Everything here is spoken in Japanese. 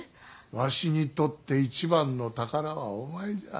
わしにとって一番の宝はお前じゃ。